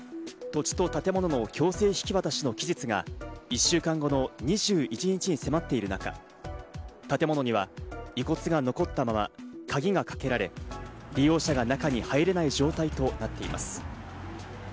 土地と建物の強制引き渡しの期日が１週間後の２１日に迫っている中、建物には遺骨が残ったまま鍵がかけられ、利用者が中に入れない状態となっています。